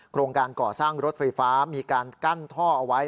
โครงการก่อสร้างรถไฟฟ้ามีการกั้นท่อเอาไว้